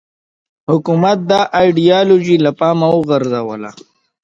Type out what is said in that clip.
حکومت دا ایدیالوژي له پامه وغورځوله